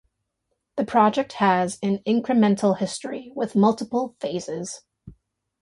The project has an incremental history with multiple phases.